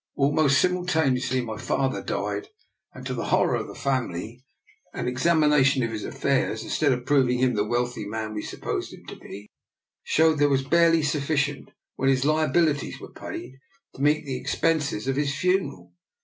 Almost simultaneously my father died; and. 22 I>R. NIKOLA'S EXPERIMENT. to the horror of the family, an examination of his affairs, instead of proving him the wealthy man we supposed him to be, showed that there was barely sufficient, when his lia bilities were paid, to meet the expenses of his funeral.